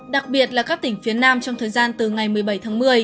đặc biệt là các tỉnh phía nam trong thời gian từ ngày một mươi bảy tháng một mươi